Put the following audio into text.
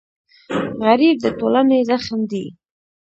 غریب د ټولنې زخم دی